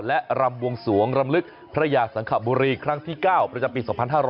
และรำบวงสวงรำลึกพระยาสังขบุรีครั้งที่๙ประจำปี๒๕๕๙